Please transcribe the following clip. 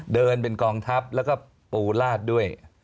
เดินเป็นกองทัพแล้วก็ปูลาดด้วย